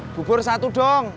bubur satu dong